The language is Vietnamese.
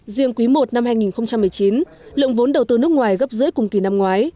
riêng quý i năm hai nghìn một mươi chín lượng vốn đầu tư nước ngoài gấp rưỡi cùng kỳ năm ngoái